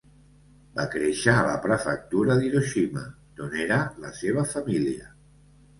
Va créixer a la Prefectura d'Hiroshima, d'on era la seva família.